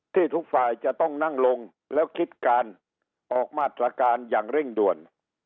ทุกฝ่ายจะต้องนั่งลงแล้วคิดการออกมาตรการอย่างเร่งด่วน